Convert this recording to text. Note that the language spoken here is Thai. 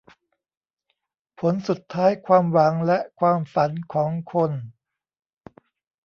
ผลสุดท้ายความหวังและความฝันของคน